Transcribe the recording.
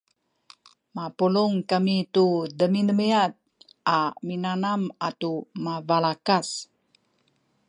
mapulung kami tu demidemiad a minanam atu mabalakas